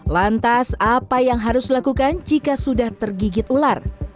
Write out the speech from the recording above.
lantas apa yang harus dilakukan jika sudah tergigit ular